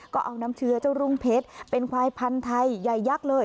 ก็เอาน้ำเชื้อเจ้ารุ่งเพชรเป็นควายพันธุ์ไทยใหญ่ยักษ์เลย